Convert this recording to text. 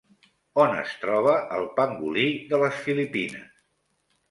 On es troba el pangolí de les Filipines?